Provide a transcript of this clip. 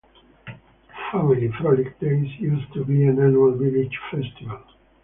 "Family Frolic Days" used to be an annual village festival.